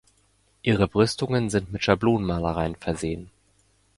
Ihre Brüstungen sind mit Schablonenmalerei versehen.